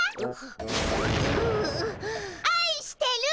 あいしてる！